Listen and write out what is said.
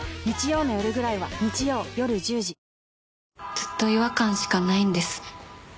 ずっと違和感しかないんです。